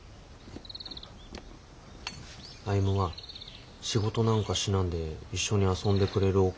歩は仕事なんかしなんで一緒に遊んでくれるおか